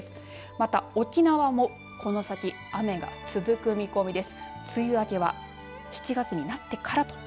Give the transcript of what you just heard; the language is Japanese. また、沖縄もこの先雨が続く見込みです。